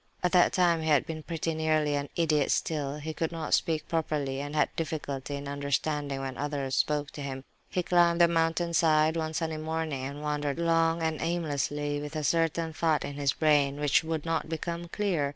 At that time he had been pretty nearly an idiot still; he could not speak properly, and had difficulty in understanding when others spoke to him. He climbed the mountain side, one sunny morning, and wandered long and aimlessly with a certain thought in his brain, which would not become clear.